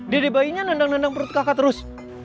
dede bayinya nendang nendang perut kakak terus